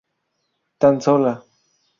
Tan sola.